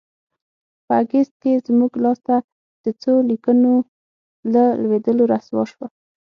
په اګست کې زموږ لاسته د څو لیکونو له لوېدلو رسوا شوه.